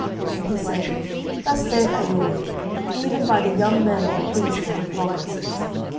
And he said, Thus saith the LORD, Even by the young men of the princes of the provinces.